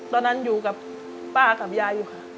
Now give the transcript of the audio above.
ตอนนั้นอยู่กับป้ากับยายอยู่ค่ะ